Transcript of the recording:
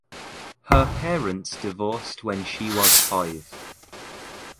Her parents divorced when she was five.